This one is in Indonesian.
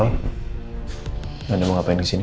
apa yang mau anda lakukan disini